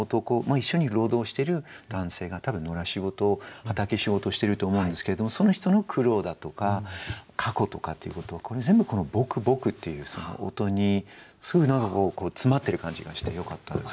一緒に労働している男性が多分野良仕事畑仕事をしていると思うんですけれどもその人の苦労だとか過去とかっていうことをこれ全部この「ぼくぼく」っていうその音に詰まってる感じがしてよかったですね。